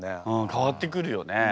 変わってくるよね。